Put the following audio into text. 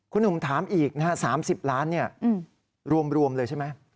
คุณหนุ่มถามอีกนะฮะ๓๐ล้านรวมเลยใช่ไหม